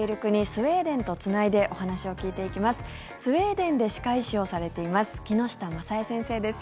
スウェーデンで歯科医師をされています木下雅恵先生です。